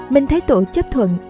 minh thái tổ chấp thuận